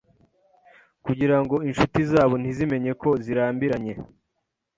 kugirango inshuti zabo ntizimenye ko zirambiranye.